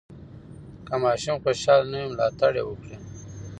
که ماشوم خوشحاله نه وي، ملاتړ یې وکړئ.